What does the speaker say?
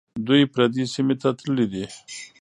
دوی پردي سیمې ته تللي دي.